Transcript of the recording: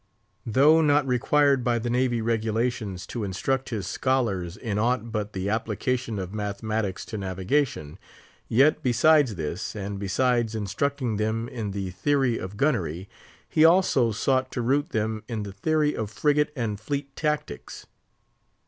Though not required by the Navy regulations to instruct his scholars in aught but the application of mathematics to navigation, yet besides this, and besides instructing them in the theory of gunnery, he also sought to root them in the theory of frigate and fleet tactics.